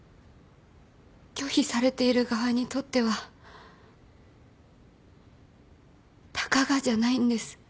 拒否されている側にとってはたかがじゃないんです。